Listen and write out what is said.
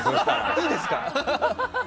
いいんですか！